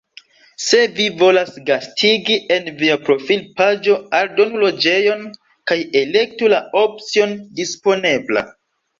Se vi volas gastigi, en via profilpaĝo aldonu loĝejon kaj elektu la opcion "Disponebla".